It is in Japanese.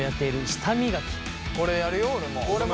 これやるよ俺も。